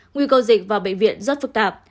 nguy cơ dịch vào bệnh viện rất phức tạp